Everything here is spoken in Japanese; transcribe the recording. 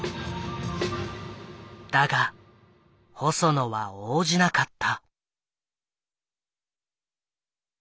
だが細野は応じなかった。